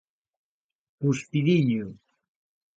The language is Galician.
Cuspidiño.